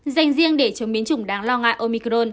dành riêng để chống biến chủng đáng lo ngại omicron